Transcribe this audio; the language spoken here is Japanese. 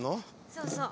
そうそう。